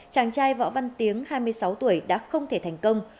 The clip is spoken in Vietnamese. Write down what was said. chàng trai võ văn tiếng hai mươi sáu tuổi đã không thể thành công